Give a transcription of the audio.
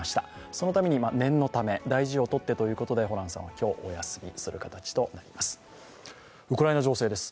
そのために念のため大事を取ってということで、ホランさんはお休みです。